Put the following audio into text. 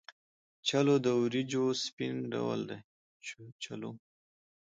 چلو د وریجو سپین ډول دی.